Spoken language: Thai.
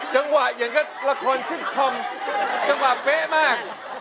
จังหวะเหมือนกับละครซิปคอมจังหวะเป๊ะมาก